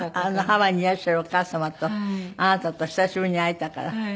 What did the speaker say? ハワイにいらっしゃるお母様とあなたと久しぶりに会えたから。